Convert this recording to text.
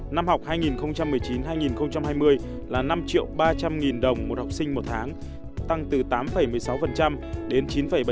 năm học hai nghìn một mươi chín hai nghìn hai mươi là năm ba trăm linh đồng một học sinh một tháng tăng từ tám một mươi sáu đến chín bảy